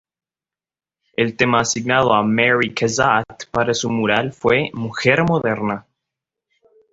El tema asignado a Mary Cassatt para su mural fue "Mujer Moderna".